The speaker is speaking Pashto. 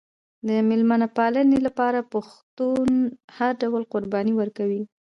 د میلمه پالنې لپاره پښتون هر ډول قرباني ورکوي.